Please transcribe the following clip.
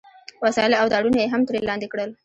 وسایل او تارونه یې هم ترې لاندې کړل